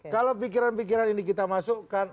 kalau pikiran pikiran ini kita masukkan